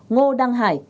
sáu ngô đăng hải